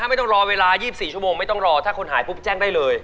ไม่ต้องรอเวลา๒๔ชั่วโมงไม่ต้องรอถ้าคนหายปุ๊บแจ้งได้เลย